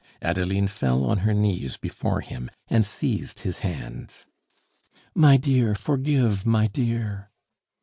Adeline fell on her knees before him and seized his hands. "My dear, forgive, my dear!"